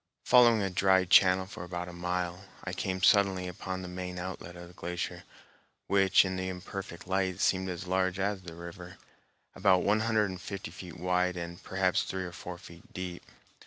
Following a dry channel for about a mile, I came suddenly upon the main outlet of the glacier, which in the imperfect light seemed as large as the river, about one hundred and fifty feet wide, and perhaps three or four feet deep.